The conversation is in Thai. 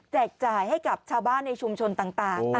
จ่ายให้กับชาวบ้านในชุมชนต่าง